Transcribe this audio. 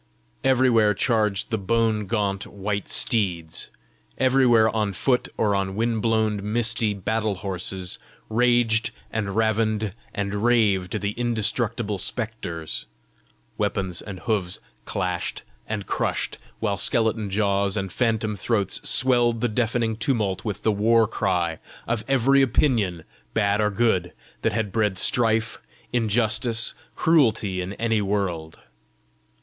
Everywhere charged the bone gaunt white steeds; everywhere on foot or on wind blown misty battle horses, raged and ravened and raved the indestructible spectres; weapons and hoofs clashed and crushed; while skeleton jaws and phantom throats swelled the deafening tumult with the war cry of every opinion, bad or good, that had bred strife, injustice, cruelty in any world.